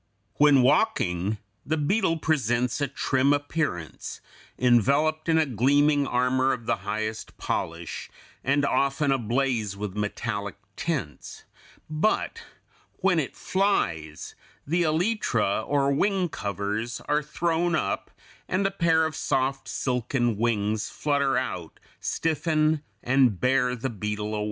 When walking the beetle presents a trim appearance, enveloped in a gleaming armor of the highest polish, and often ablaze with metallic tints, but when it flies the elytra, or wing covers, are thrown up, and a pair of soft, silken wings flutter out, stiffen, and bear the beetle away.